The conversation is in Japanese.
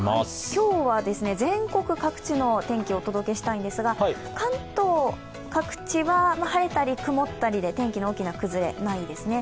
今日は全国各地の天気をお届けしたいんですが、関東各地は晴れたり曇ったりで天気の大きな崩れないですね。